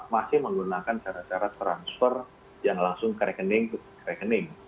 masih menggunakan cara cara transfer yang langsung ke rekening